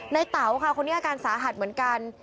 ในเตาคนนี้อาการสาหัสเหมือนกัน